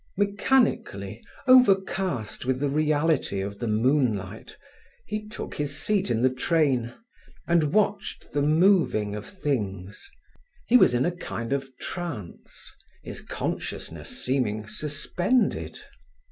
Mechanically, overcast with the reality of the moonlight, he took his seat in the train, and watched the moving of things. He was in a kind of trance, his consciousness seeming suspended.